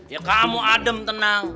ya kamu adem tenang